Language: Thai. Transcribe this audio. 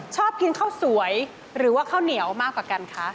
ชอบกินข้าวสวยหรือว่าข้าวเหนียวมากกว่ากันคะ